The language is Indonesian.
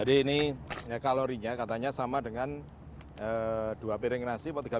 jadi ini kalorinya katanya sama dengan dua piring nasi atau tiga piring nasi